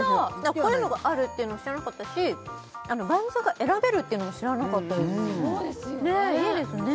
こういうのがあるっていうの知らなかったしバンズが選べるっていうのも知らなかったですねえいいですね